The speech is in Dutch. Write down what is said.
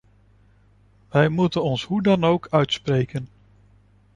We moeten ons hoe dan ook uitspreken!